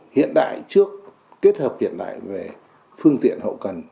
hiện đại trước kết hợp hiện đại về phương tiện hậu cần